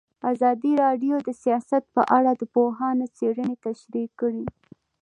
ازادي راډیو د سیاست په اړه د پوهانو څېړنې تشریح کړې.